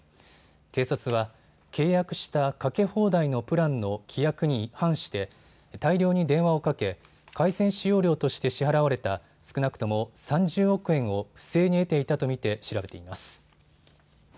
警察は契約したかけ放題のプランの規約に反して大量に電話をかけ回線使用料として支払われた少なくとも３０億円を不正に得ていたと見て調べています。